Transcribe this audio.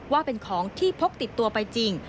ว่าเป็นของที่พกติดตัวไปจริง